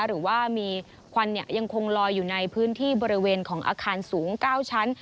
หรือว่ามีควันยังคงลอยอยู่ในพื้นที่บริเวณของอาคารสูง๙ชั้น